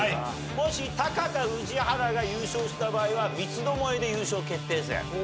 もしタカか宇治原が優勝した場合は三つどもえで優勝決定戦。